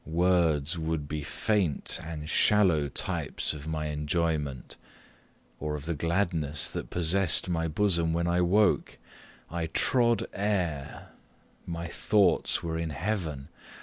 Words would be faint and shallow types of my enjoyment, or of the gladness that possessed my bosom when I woke. I trod air my thoughts were in heaven.